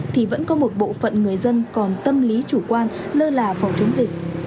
thì vẫn có một bộ phận người dân còn tâm lý chủ quan lơ là phòng chống dịch